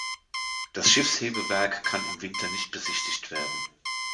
Das Schiffshebewerk kann im Winter nicht besichtigt werden.